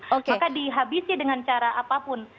maka dihabisi dengan cara apapun